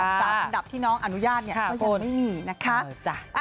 ๓อันดับที่น้องอนุญาตเนี่ยก็ยังไม่มีนะคะ